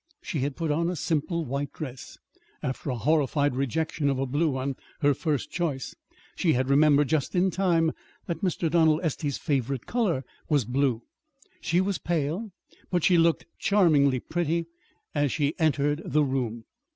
She had put on a simple white dress after a horrified rejection of a blue one, her first choice. (She had remembered just in time that Mr. Donald Estey's favorite color was blue.) She was pale, but she looked charmingly pretty as she entered the room.